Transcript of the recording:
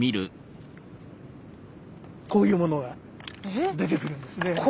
こういうものが出てくるんですね。